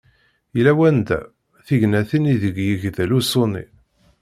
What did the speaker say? Yella wanda, tignatin i deg yegdel uṣuni.